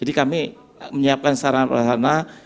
ini hati kami untuk menyiapkan sarana di permirahana